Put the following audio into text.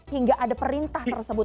hingga ada perintah tersebut